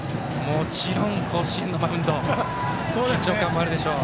もちろん甲子園のマウンド緊張感もあるでしょう。